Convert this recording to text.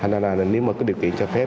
nên nếu mà điều kiện cho phép